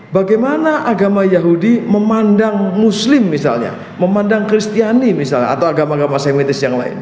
bagaimana agama yahudi memandang muslim misalnya memandang kristiani misalnya atau agama agama semitis yang lain